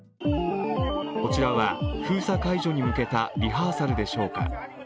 こちらは封鎖解除に向けたリハーサルでしょうか。